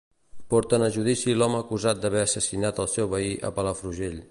Porten a judici l'home acusat d'haver assassinat el seu veí a Palafrugell.